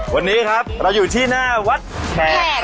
วันนี้ครับเราอยู่ที่หน้าวัดแขก